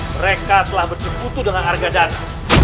mereka telah bersebutu dengan arga dana